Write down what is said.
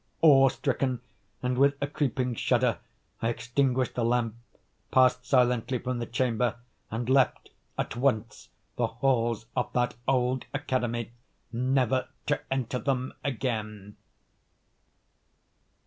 Awe stricken, and with a creeping shudder, I extinguished the lamp, passed silently from the chamber, and left, at once, the halls of that old academy, never to enter them again.